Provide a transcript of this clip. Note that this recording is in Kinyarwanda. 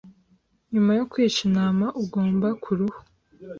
Nyuma yo kwica intama, ugomba kuruhu.